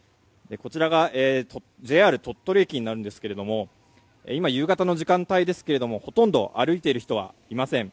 こちらが、ＪＲ鳥取駅になるんですけれども今、夕方の時間帯ですがほとんど歩いている人はいません。